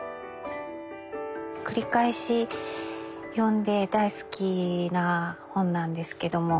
繰り返し読んで大好きな本なんですけども。